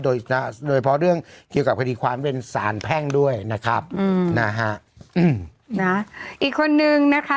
โดยนะโดยเฉพาะเรื่องเกี่ยวกับคดีความเป็นสารแพ่งด้วยนะครับอืมนะฮะอืมนะอีกคนนึงนะคะ